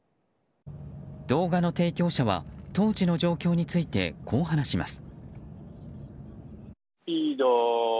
動画の提供者は当時の状況についてこう話します。